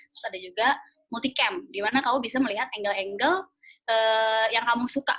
terus ada juga multi camp dimana kamu bisa melihat angle angle yang kamu suka